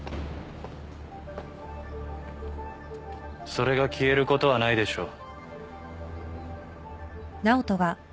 それが消えることはないでしょう。